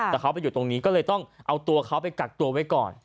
แต่เขาไปอยู่ตรงนี้ก็เลยต้องเอาตัวเขาไปกักตัวไว้ก่อน